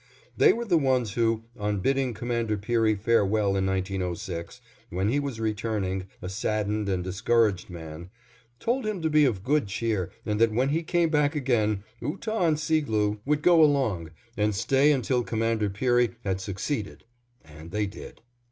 They were the ones who, on bidding Commander Peary farewell in 1906, when he was returning, a saddened and discouraged man, told him to be of good cheer and that when he came back again Ootah and Seegloo would go along, and stay until Commander Peary had succeeded, and they did.